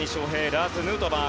ラーズ・ヌートバー